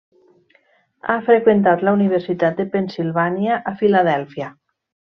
Ha freqüentat la Universitat de Pennsilvània a Filadèlfia.